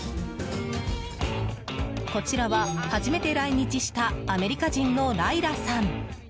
こちらは、初めて来日したアメリカ人のライラさん。